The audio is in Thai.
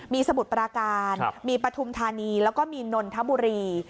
มีสมุทรปราการมีปฐุมธานีแล้วก็มีนนทบุรี